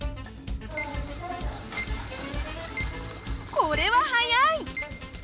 これは速い！